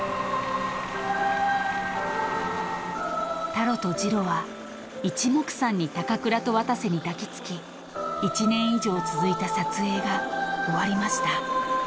［タロとジロは一目散に高倉と渡瀬に抱き付き１年以上続いた撮影が終わりました］